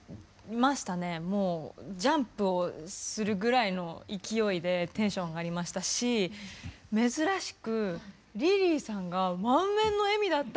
もうジャンプをするぐらいの勢いでテンション上がりましたし珍しくリリーさんが満面の笑みだったんですよ！